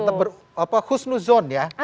tetap berkusnuzon ya